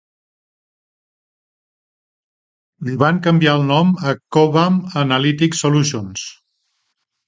Li van canviar el nom a Cobham Analytic Solutions.